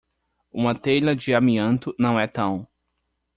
Uma telha de amianto não é tão